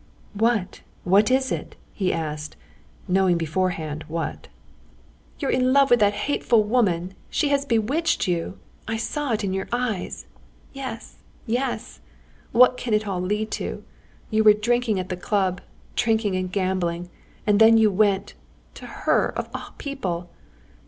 "What? what is it?" he asked, knowing beforehand what. "You're in love with that hateful woman; she has bewitched you! I saw it in your eyes. Yes, yes! What can it all lead to? You were drinking at the club, drinking and gambling, and then you went ... to her of all people!